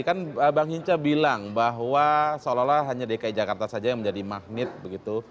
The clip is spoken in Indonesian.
kan bang hinca bilang bahwa seolah olah hanya dki jakarta saja yang menjadi magnet begitu